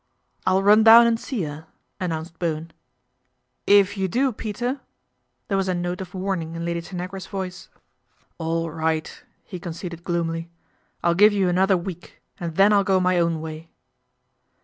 " I'll run down and see her," announced Bowen. " If you do, Peter !" There was a note of warning in Lady Tanagra's voice. 282 PATRICIA BRENT, SPINSTER " All right," he conceded gloomily. "I'll gi you another week, and then I'll go my own way.'